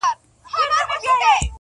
اوږده غاړه یې ښایسته بې لونګینه -